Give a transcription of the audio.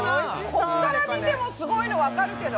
ここから見てもすごいのわかるけど。